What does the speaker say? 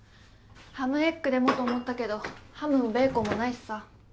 ハムエッグでもと思ったけどハムもベーコンもないしさ。